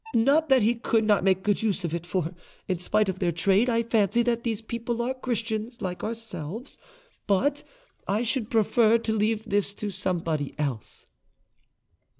Not that he could not make good use of it; for, in spite of their trade, I fancy that these people are Christians like ourselves. But I should prefer to leave this to somebody else."